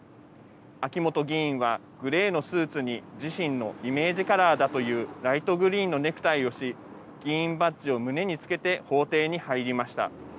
秋元議員はグレーのスーツに自身のイメージカラーだというライトグリーンのネクタイをし議員バッジを胸に着けて法廷に入りました。